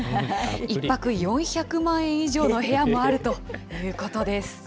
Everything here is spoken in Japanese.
１泊４００万円以上の部屋もあるということです。